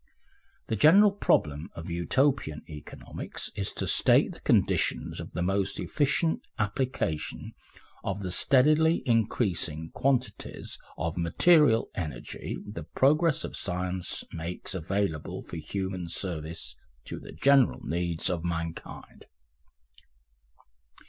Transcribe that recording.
The general problem of Utopian economics is to state the conditions of the most efficient application of the steadily increasing quantities of material energy the progress of science makes available for human service, to the general needs of mankind.